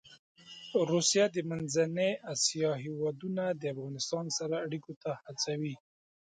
روسیه د منځنۍ اسیا هېوادونه د افغانستان سره اړيکو ته هڅوي.